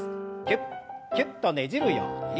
キュッキュッとねじるように。